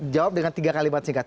jawab dengan tiga kalimat singkat